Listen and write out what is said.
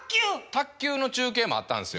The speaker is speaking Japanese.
卓球の中継もあったんですよ。